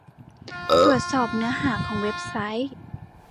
ตรวจสอบเนื้อหาของเว็บไซต์